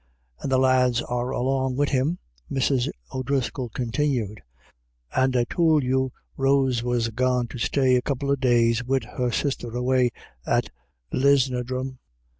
"And the lads are along wid him, M Mrs. O'Driscoll continued, " and I tould you Rose was gone to stay a couple of days wid her sister away at Lisnadrum.